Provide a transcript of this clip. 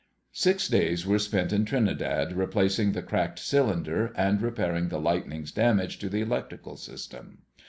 Six days were spent in Trinidad, replacing the cracked cylinder and repairing the lightning's damage to the electrical system.